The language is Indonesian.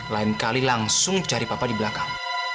lain kali langsung cari papa di belakang